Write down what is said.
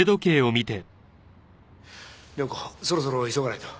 涼子そろそろ急がないと。